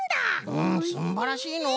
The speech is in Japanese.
うんすんばらしいのう！